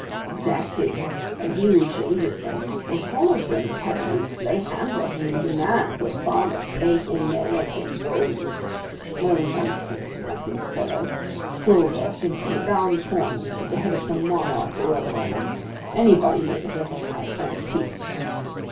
"Exactly; and he who changes them will follow friend Caderousse, lay hands on him, and demand what farmers pay him their rent in gold. No nonsense, my good fellow; silver simply, round coins with the head of some monarch or other on them. Anybody may possess a five franc piece."